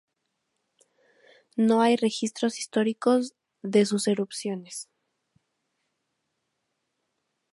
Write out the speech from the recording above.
No hay registros históricos de sus erupciones.